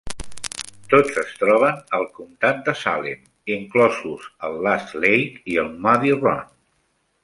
Tots es troben al comtat de Salem, inclosos el Last Lake i el Muddy Run.